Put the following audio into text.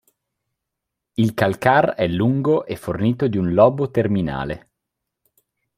Il calcar è lungo e fornito di un lobo terminale.